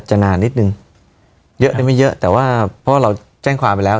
นานนิดนึงเยอะหรือไม่เยอะแต่ว่าเพราะว่าเราแจ้งความไปแล้ว